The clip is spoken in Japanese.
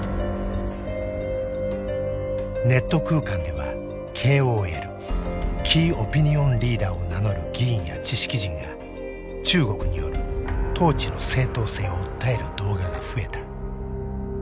ネット空間ではＫＯＬキーオピニオンリーダーを名乗る議員や知識人が中国による統治の正当性を訴える動画が増えた。